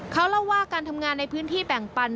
เขาเล่าว่าการทำงานในพื้นที่แบ่งปัน